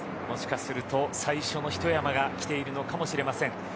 もしかすると最初の一山が来ているのかもしれません。